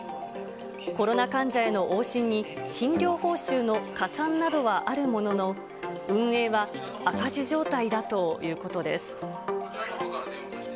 コロナ患者への往診に、診療報酬の加算などはあるものの、運営は赤字状態だということです。